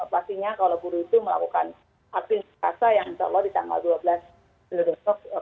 pastinya kalau buruh itu melakukan aksin perkasa yang insya allah di tanggal dua belas